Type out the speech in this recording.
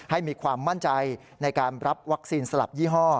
ให้มีความมั่นใจในการรับวัคซีนสลับยี่ห้อ